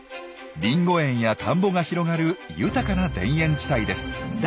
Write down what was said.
りんご園や田んぼが広がる豊かな田園地帯です。